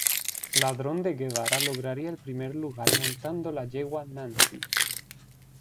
Ladrón de Guevara lograría el primer lugar montando la yegua "Nancy".